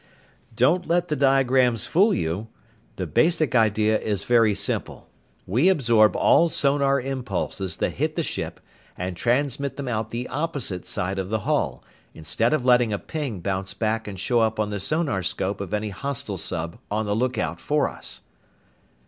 "Don't let the diagrams fool you. The basic idea is very simple. We absorb all sonar impulses that hit the ship and transmit them out the opposite side of the hull, instead of letting a ping bounce back and show up on the sonarscope of any hostile sub on the lookout for us."